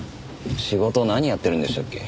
仕事何やってるんでしたっけ？